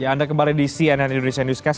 ya anda kembali di cnn indonesia newscast